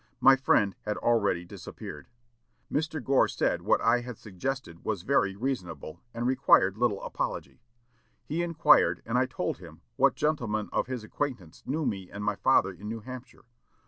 My friend had already disappeared. Mr. Gore said what I had suggested was very reasonable, and required little apology.... He inquired, and I told him, what gentlemen of his acquaintance knew me and my father in New Hampshire.